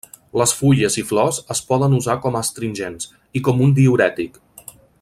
Les fulles i flors es poden usar com astringents, i com un diürètic.